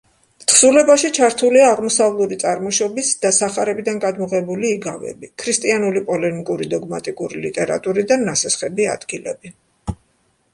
თხზულებაში ჩართულია აღმოსავლური წარმოშობის და სახარებიდან გადმოღებული იგავები, ქრისტიანული პოლემიკური დოგმატიკური ლიტერატურიდან ნასესხები ადგილები.